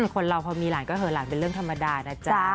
คนเราพอมีหลานก็เหลือหลานเป็นเรื่องธรรมดานะจ๊ะ